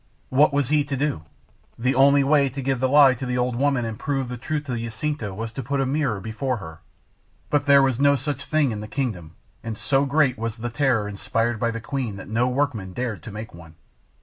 What was he to do? The only way to give the lie to the old woman and prove the truth to Jacinta was to put a mirror before her. But there was no such thing in the kingdom, and so great was the terror inspired by the queen that no workman dared make one.